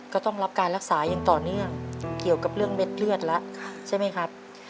ก็ต้องรับการรักษาอย่างต่อเนื่องเกี่ยวกับเรื่องเม็ดเลือดแล้วใช่ไหมครับ